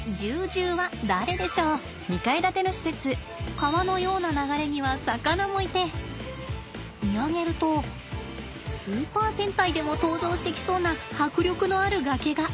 川のような流れには魚もいて見上げるとスーパー戦隊でも登場してきそうな迫力のある崖が。